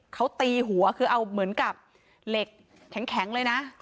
เขาตีหัวคือเอาเหมือนกับเหล็กแข็งเลยนะ